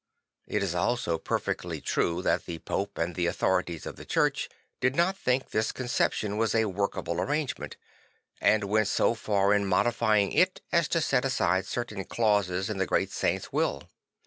It is also perfectly true that the Pope and the authorities of the Church did not think this conception was a workable arrange ment, and went so far in modifying it as to set aside certain clauses in the great saint's will.